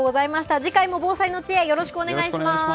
次回も防災の知恵、よろしくお願いします。